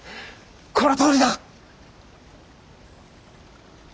このとおりだ！